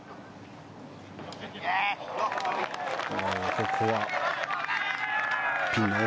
ここはピンの奥。